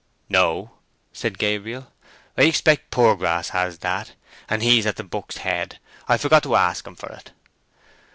"No," said Gabriel. "I expect Poorgrass has that; and he's at the Buck's Head. I forgot to ask him for it."